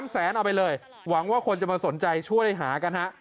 แสนเอาไปเลยหวังว่าคนจะมาสนใจช่วยหากันฮะ